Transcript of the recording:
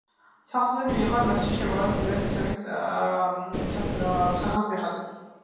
სახელწოდება მიიღო მასში ჩამავალი მდინარის ცემესის სახელის მიხედვით.